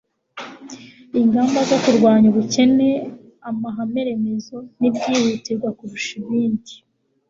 ingamba zo kurwanya ubukene amahame remezo n'ibyihutirwa kurusha ibindi